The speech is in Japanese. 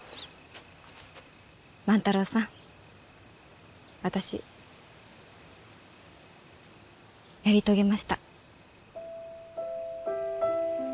万太郎さん私やり遂げました。